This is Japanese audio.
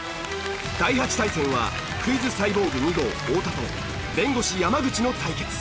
第８対戦はクイズサイボーグ２号太田と弁護士山口の対決。